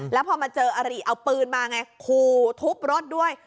แล้วพอมาเจออริเอาปืนมาไงขู่ทุบรถด้วย